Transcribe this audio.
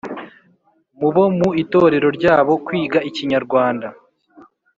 mu bo mu itorero ryabo kwiga ikinyarwanda